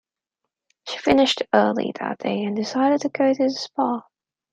She finished early that day, and decided to go to the spa.